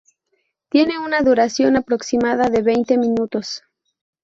Tiene una duración aproximada de veinte minutos.